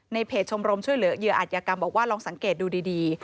เพจชมรมช่วยเหลือเหยื่ออัตยกรรมบอกว่าลองสังเกตดูดี